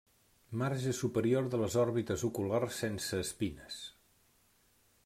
Marge superior de les òrbites oculars sense espines.